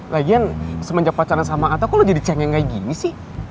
lagian semenjak pacaran sama ato kok lo jadi cengeng kayak gini sih